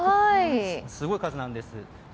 すごい数なんです。